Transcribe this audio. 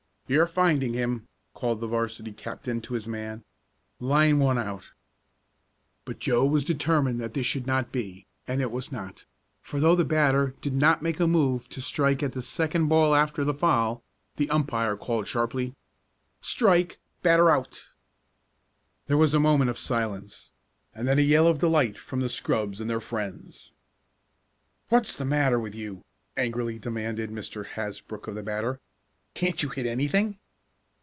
"You're finding him," called the 'varsity captain to his man. "Line one out." But Joe was determined that this should not be, and it was not, for though the batter did not make a move to strike at the second ball after the foul, the umpire called sharply: "Strike batter's out." There was a moment of silence, and then a yell of delight from the scrubs and their friends. "What's the matter with you?" angrily demanded Mr. Hasbrook of the batter. "Can't you hit anything?"